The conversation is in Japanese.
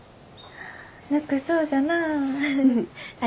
ぬくそうじゃなあ。